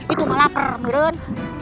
itu mah lapar miren